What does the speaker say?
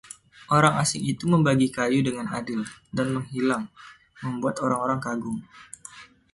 Orang asing itu membagi kayu dengan adil dan menghilang, membuat orang-orang kagum.